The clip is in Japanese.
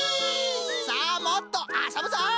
さあもっとあそぶぞい！